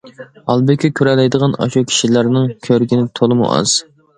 ھالبۇكى، كۆرەلەيدىغان ئاشۇ كىشىلەرنىڭ كۆرگىنى تولىمۇ ئاز.